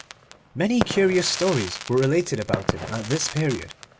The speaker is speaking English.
Many curious stories were related about him at this period.